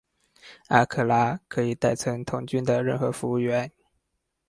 阿克拉可以代称童军的任何服务员。